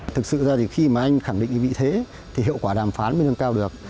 thực sự ra thì khi mà anh khẳng định vị thế thì hiệu quả đàm phán mới hơn cao được